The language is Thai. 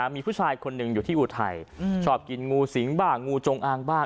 มีผู้ชายคนหนึ่งอยู่ที่อุทัยชอบกินงูสิงบ้างงูจงอางบ้าง